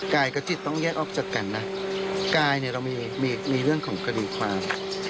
กับจิตต้องแยกออกจากกันนะกายเนี่ยเรามีเรื่องของคดีความ